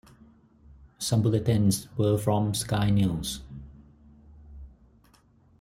Some bulletins were from Sky News.